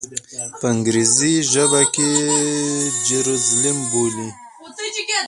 په انګریزي ژبه یې جیروزلېم بولي.